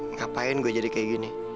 ngapain gue jadi kayak gini